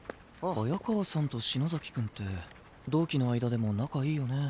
早川さんと篠崎くんって同期の間でも仲いいよね。